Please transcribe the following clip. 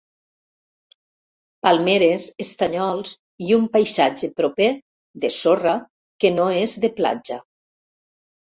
Palmeres, estanyols i un paisatge proper de sorra que no és de platja.